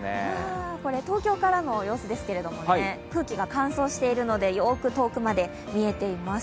これ、東京からの映像ですけども空気が乾燥しているので、よく遠くまで見えています。